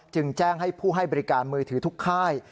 จึงแจ้งให้ผู้ให้บริการมือถือทุกค่าย